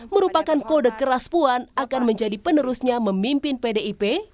merupakan kode keras puan akan menjadi penerusnya memimpin pdip